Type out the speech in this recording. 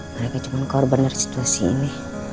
mereka cuma korban dari situasi ini